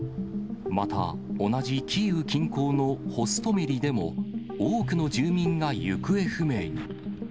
また、同じキーウ近郊のホストメリでも、多くの住民が行方不明に。